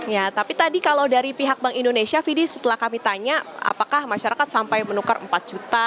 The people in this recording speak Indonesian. ya tapi tadi kalau dari pihak bank indonesia fidi setelah kami tanya apakah masyarakat sampai menukar empat juta